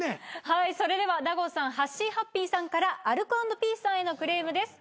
はいそれでは納言さんはっしーはっぴーさんからアルコ＆ピースさんへのクレームです